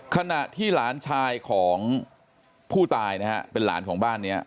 ขณะที่หลานชายของผู้ตายนะฮะเป็นหลานของบ้านเนี้ย